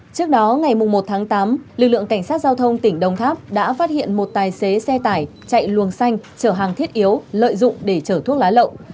trước đó ngày một tháng tám lực lượng cảnh sát giao thông tỉnh đồng tháp đã phát hiện một tài xế xe tải chạy luồng xanh chở hàng thiết yếu lợi dụng để chở thuốc lá lậu